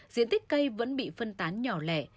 diện tích cây vẫn bị phân tán nhỏ lẻ